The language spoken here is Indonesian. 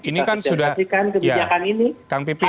kita sosialisasikan kebijakan ini